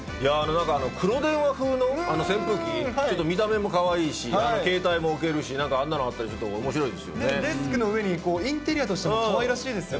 、なんか黒電話風のあの扇風機、ちょっと見た目もかわいいし、携帯も置けるし、あんなのあったら、デスクの上にインテリアとしてもかわいらしいですよね。